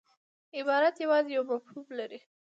عبارت یوازي یو مفهوم لري.